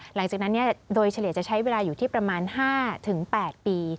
หลังจากนั้นโดยเฉลี่ยจะใช้เวลาอยู่ที่ประมาณ๕๘ปี